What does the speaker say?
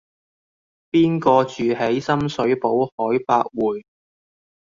邊個住喺深水埗海柏匯